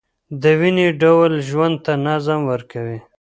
دویني ډول ژوند ته نظم ورکوي.